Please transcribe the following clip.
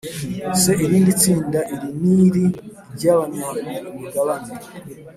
Se irindi tsinda iri n iri ry abanyamigabane